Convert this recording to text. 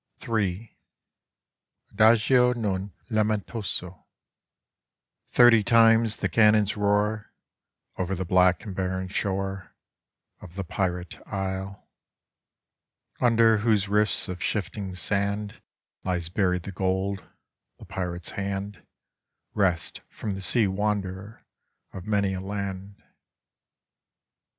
Ill Adagio non laaentoao Thirty times the cannons roar Over the black and barren shore Of the pirate isle, Under whose rifts of shifting sand Lies buried the gold, the pirate 1 a hand Wrest from the sea wanderer of many a land.